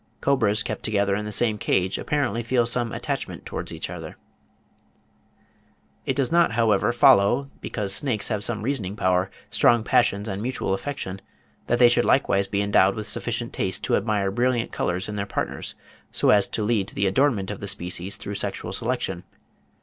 Cobras kept together in the same cage apparently feel some attachment towards each other. (61. Dr. Gunther, 'Reptiles of British India,' 1864, p. 340.) It does not, however, follow because snakes have some reasoning power, strong passions and mutual affection, that they should likewise be endowed with sufficient taste to admire brilliant colours in their partners, so as to lead to the adornment of the species through sexual selection.